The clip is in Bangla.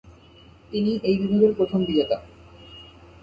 তিনিই এই বিভাগের প্রথম বিজেতা।